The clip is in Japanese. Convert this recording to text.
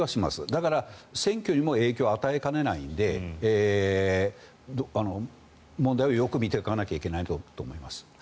だから、選挙にも影響を与えかねないので問題をよく見ていかなきゃいけないとと思います。